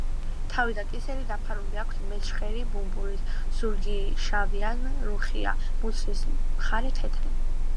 თავი და კისერი დაფარული აქვთ მეჩხერი ბუმბულით; ზურგი შავი ან რუხია, მუცლის მხარე თეთრი.